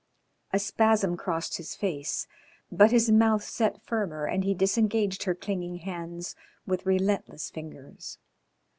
A spasm crossed his face, but his mouth set firmer and he disengaged her clinging hands with relentless fingers.